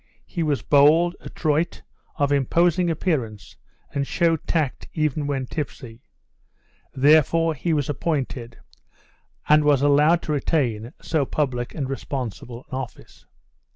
He was bold, adroit, of imposing appearance, and showed tact even when tipsy; therefore, he was appointed, and was allowed to retain so public and responsible an office.